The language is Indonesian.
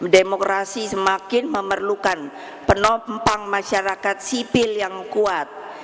demokrasi semakin memerlukan penompang masyarakat sipil yang kuat